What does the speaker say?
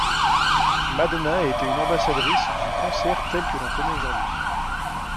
Madonna a été une ambassadrice du concert tel que l'on connaît aujourd'hui.